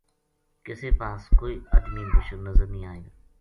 کسے پاس کو ئی ادمی بشر نظر نیہہ آئے